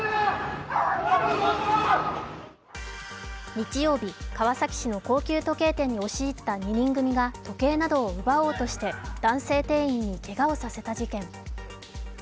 日曜日、川崎市の高級時計店に押し入った２人組が時計などを奪おうとして男性店員にけがをさせた事件。